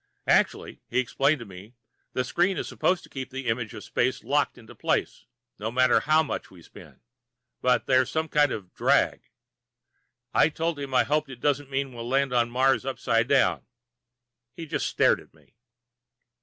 Actually, he explained to me, the screen is supposed to keep the image of space locked into place no matter how much we spin. But there's some kind of a "drag." I told him I hoped it didn't mean we'd land on Mars upside down. He just stared at me.